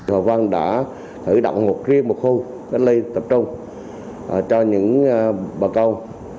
hòa vang đã thử đọc một riêng một khu cách ly tập trung cho những bà con